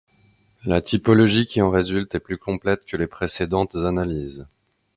La typologie qui en résulte est plus complète que les précédentes analyses.